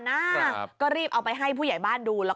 ฉันไม่ได้เอาพระงาช้างให้เขาดูหรอก